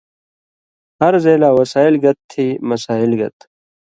ہر زئ لا وسائل گت تھی مسائل گت۔